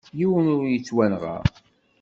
Yiwen ur yettwanɣa.